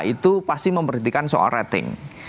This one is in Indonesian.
itu pasti memperhatikan soal rating